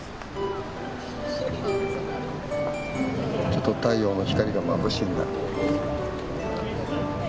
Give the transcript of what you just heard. ちょっと太陽の光がまぶしいんだ。